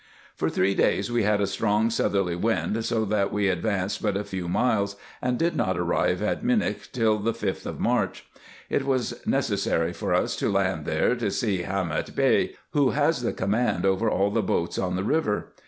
For three days we had a strong southerly wind, so that we ad vanced but a few miles, and did not arrive at Minieh till the 5th of March. It was necessary for us to land there, to see Hamet Bey. who has the command over all the boats on the river.